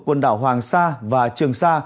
quần đảo hoàng sa và trường sa